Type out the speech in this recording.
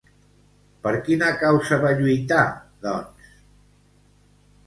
Per quina causa va lluitar, doncs?